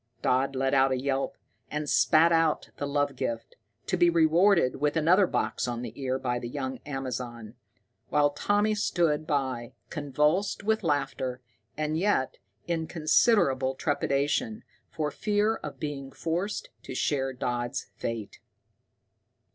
Dodd let out a yelp, and spat out the love gift, to be rewarded with another box on the ear by the young Amazon, while Tommy stood by, convulsed with laughter, and yet in considerable trepidation, for fear of being forced to share Dodd's fate.